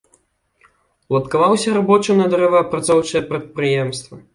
Уладкаваўся рабочым на дрэваапрацоўчае прадпрыемства.